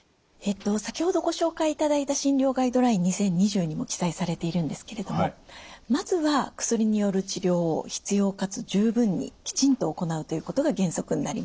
先ほどご紹介いただいた「診療ガイドライン２０２０」にも記載されているんですけれどもまずは薬による治療を必要かつ十分にきちんと行うということが原則になります。